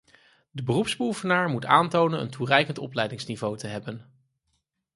De beroepsbeoefenaar moet aantonen een toereikend opleidingsniveau te hebben.